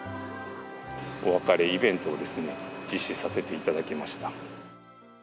お別れイベントをですね、実施させていただきました。